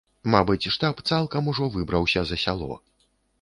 Мабыць, штаб цалкам ужо выбраўся за сяло.